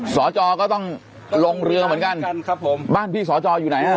สอจอก็ต้องลงเรือเหมือนกันต้องลงเรือกันครับผมบ้านพี่สอจออยู่ไหนฮะ